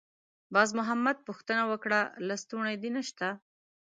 باز محمد پوښتنه وکړه: «لستوڼی دې نشته؟»